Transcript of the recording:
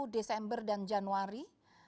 desember dan januari